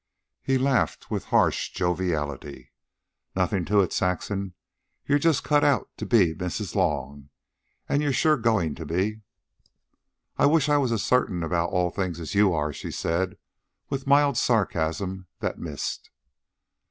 He laughed with harsh joviality. "Nothin' to it, Saxon. You're just cut out to be Mrs. Long, an' you're sure goin' to be." "I wish I was as certain about all things as you are," she said with mild sarcasm that missed.